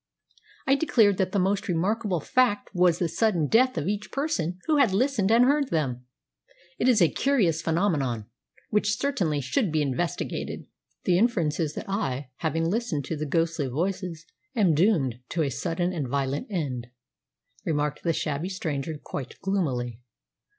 I declared that the most remarkable fact was the sudden death of each person who had listened and heard them. It is a curious phenomenon, which certainly should be investigated." "The inference is that I, having listened to the ghostly voices, am doomed to a sudden and violent end," remarked the shabby stranger quite gloomily.